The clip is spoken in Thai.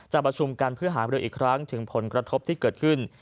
ประชุมกันเพื่อหามรืออีกครั้งถึงผลกระทบที่เกิดขึ้น